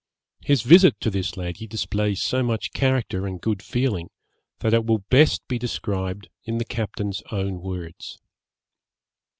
His visit to this lady displays so much character and good feeling, that it will best be described in the captain's own words.